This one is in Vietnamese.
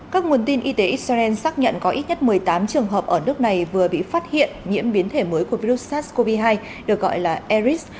các nguồn tin y tế israel xác nhận có ít nhất một mươi tám trường hợp ở nước này vừa bị phát hiện nhiễm biến thể mới của virus sars cov hai được gọi là eris